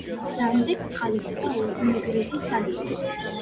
დამდეგს ყალიბდება უნგრეთის სამეფო.